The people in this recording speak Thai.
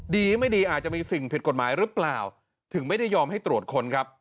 ดีไม่ดีอาจจะมีสิ่งผิดกฎหมายหรือเปล่าถึงไม่ได้ยอมให้ตรวจค้นครับ